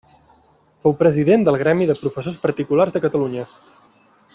Fou president del Gremi de Professors Particulars de Catalunya.